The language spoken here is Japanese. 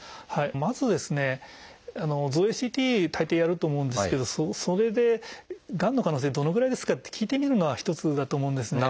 まずですね造影ＣＴ大抵やると思うんですけどそれで「がんの可能性どのぐらいですか？」と聞いてみるのは一つだと思うんですね。